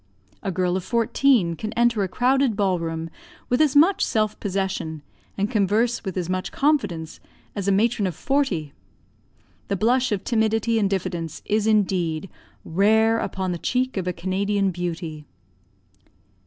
A girl of fourteen can enter a crowded ball room with as much self possession, and converse with as much confidence, as a matron of forty. The blush of timidity and diffidence is, indeed, rare upon the cheek of a Canadian beauty.